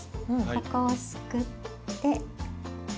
ここをすくって。